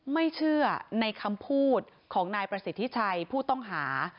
ไม่เชื่อในคำพูดของนายประสิทธิชัยผู้ต้องหา